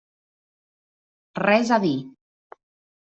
Res a dir.